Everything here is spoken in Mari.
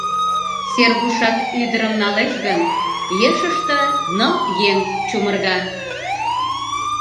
Сергушат ӱдырым налеш гын, ешыште ныл еҥ чумырга.